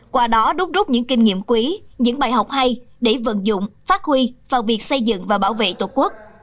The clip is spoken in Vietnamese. qua đó đúc rút những kinh nghiệm quý những bài học hay để vận dụng phát huy vào việc xây dựng và bảo vệ tổ quốc